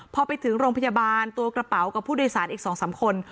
พอไปถึงโรงพยาบาลตัวกระเป๋ากับผู้โดยสารอีก๒๓คน